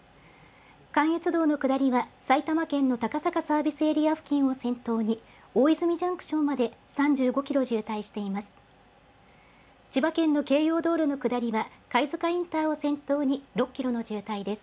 関越道の下りは、埼玉県の高坂サービスエリア付近を先頭に大泉ジャンクションまで３５キロ渋滞しています。